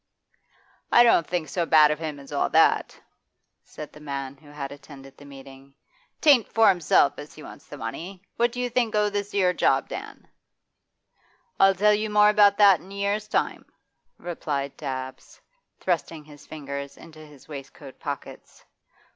'I don't think so bad of him as all that,' said the man who had attended the meeting. ''Tain't for himself as he wants the money. What do you think o' this 'ere job, Dan?' 'I'll tell you more about that in a year's time,' replied Dabbs, thrusting his fingers into his waistcoat pockets.